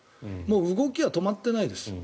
動きは止まっていないです。